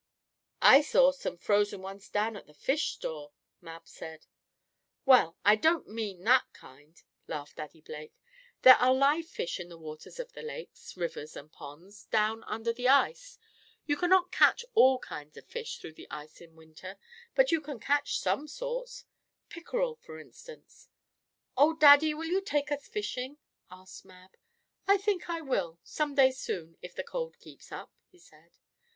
"I saw some frozen ones down at the fish store," Mab said. "Well, I don't mean that kind," laughed Daddy Blake. "There are live fish in the waters of the lakes, rivers and ponds, down under the ice. You can not catch all kinds of fish through the ice in winter, but you may some sorts pickeral for instance." "Oh, Daddy, and will you take us fishing?" asked Mab. "I think I will, some day soon, if the cold keeps up," he said.